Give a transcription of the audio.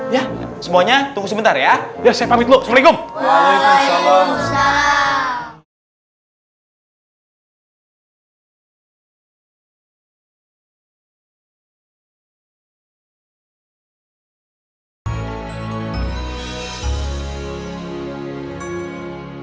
ya semuanya tunggu sebentar ya saya pamit dulu assalamualaikum